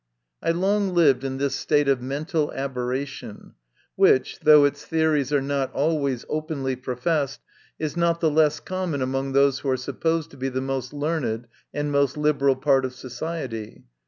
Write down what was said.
I long lived in this state of mental aberra tion, which, though its theories are not always openly professed, is not the less common among those who are supposed to be the most learned and most liberal part of society.